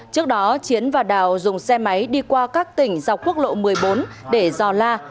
trước đó chiến và đào dùng xe máy đi qua các tỉnh dọc quốc lộ một mươi bốn để dò la